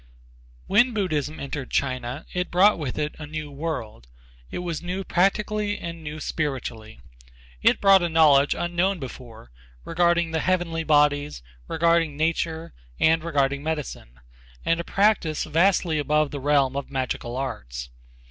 When Buddhism entered China it brought with it a new world. It was new practical and new spiritually. It brought a knowledge unknown before regarding the heavenly bodies, regarding nature and regarding medicine, and a practice vastly above the realm of magical arts.